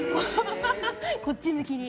こっち向きに。